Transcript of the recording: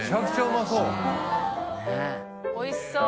味戞おいしそう！